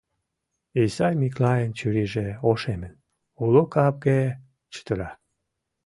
Исай Миклайын чурийже ошемын, уло капге чытыра.